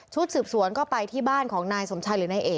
ชุดฉืบสวนไปที่บ้านของนายสมชาย